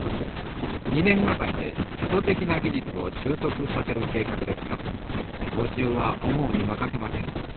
２年がかりで基礎的な技術を習得させる計画ですが募集は思うに任せません。